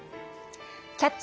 「キャッチ！